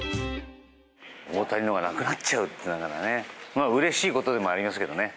大谷のがなくなっちゃうというのはうれしいことでもありますけどね